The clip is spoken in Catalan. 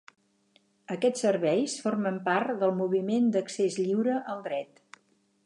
Aquests serveis formen part del Moviment d'Accés Lliure al Dret.